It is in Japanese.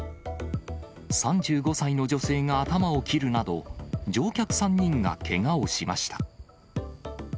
３５歳の女性が頭を切るなど、乗客３人がけがをしました。